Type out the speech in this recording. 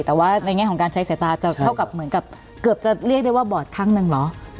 แต่ว่าในแง่ของการใช้สายตาจะเกือบจะเรียกได้ว่าบอร์ดข้างหนึ่งเหรอ